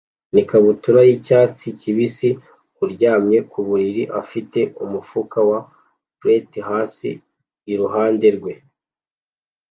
nikabutura yicyatsi kibisi aryamye ku buriri afite umufuka wa preti hasi iruhande rwe